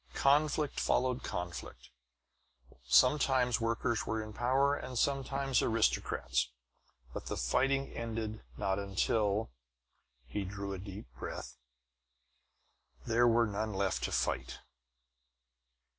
Conflict followed conflict; sometimes workers were in power, and sometimes aristocrats. But the fighting ended not until" he drew a deep breath "until there were none left to fight!"